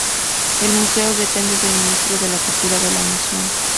El museo depende del Ministerio de Cultura de la Nación.